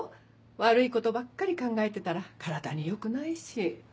悪いことばっかり考えてたら体に良くないし。